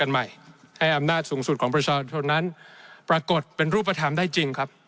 ใหม่ให้อำนาจสูงสุดของประชาชนนั้นปรากฏเป็นรูปธรรมได้จริงครับ